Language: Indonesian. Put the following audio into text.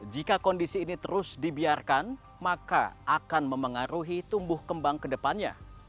jika kondisi ini terus dibiarkan maka akan memengaruhi tumbuh kembang ke depannya